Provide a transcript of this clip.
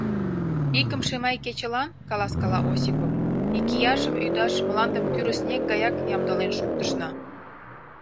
— Икымше Май кечылан, — каласкала Осипов, — икияшым ӱдаш мландым тӱрыснек гаяк ямдылен шуктышна.